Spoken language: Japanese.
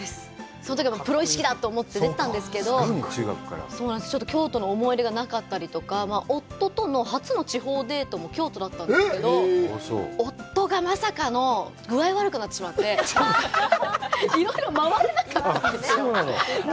そのときはプロ意識だと思って、出てたんですけど京都の思い出がなかったりとか、夫との初の地方デートも京都だったんですけど、夫がまさかのぐあいが悪くなってしまって、いろいろ回れなかったんですよ。